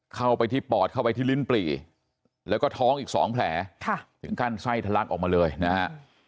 เข้าไปที่ปอดเข้าไปที่ลิ้นปลีแล้วก็ท้องอีก๒แผลถึงขั้นไส้ทะลักออกมาเลยนะฮะ